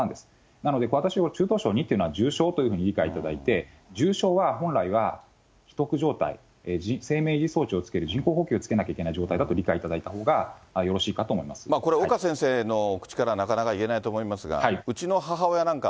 なので、私も、中等症２というのは、重症というふうにご理解いただいて、重症は本来は、危篤状態、生命維持装置をつける、人工呼吸器をつける状態だと理解いただいたほうがよろしいかと思これ、岡先生の口からなかなか言えないと思いますが、うちの母親なんか、